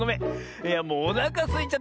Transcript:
いやもうおなかすいちゃってさ。